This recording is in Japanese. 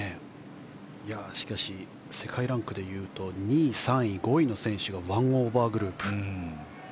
しかし世界ランクでいうと２位、３位、５位の選手が１オーバーグループです。